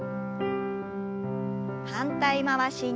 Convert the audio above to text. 反対回しに。